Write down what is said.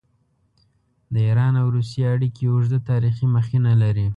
د ایران او روسیې اړیکې اوږده تاریخي مخینه لري.